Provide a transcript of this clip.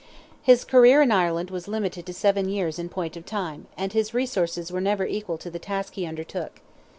His career in Ireland was limited to seven years in point of time, and his resources were never equal to the task he undertook.